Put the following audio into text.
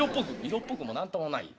「色っぽくも何ともないよ。